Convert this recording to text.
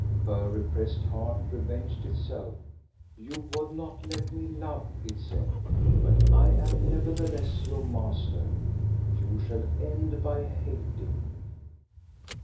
Her repressed heart revenged itself. "You would not let me love," it said, " but I am nevertheless your master; you shall end by hating."